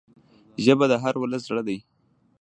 ژبه د هر ولس زړه ده